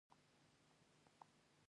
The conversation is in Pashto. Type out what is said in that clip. دوا ته اړتیا لرئ